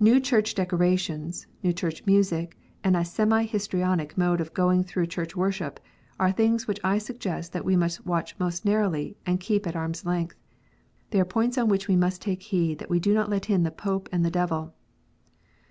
New church decorations, new church music, and a semi histrionic mode of going through church worship, are things which I suggest that we must watch most narrowly, and keep at arm s length. They are points on which we must take heed that we do not let in the Pope and the devil.